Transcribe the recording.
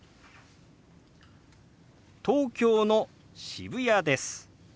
「東京の渋谷です」。